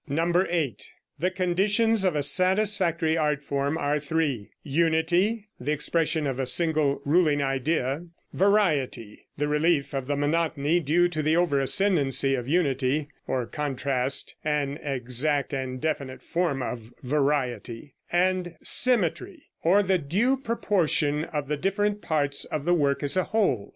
8. The conditions of a satisfactory Art Form are three: Unity, the expression of a single ruling idea; variety, the relief of the monotony due to the over ascendency of unity (or contrast, an exact and definite form of variety); and symmetry, or the due proportion of the different parts of the work as a whole.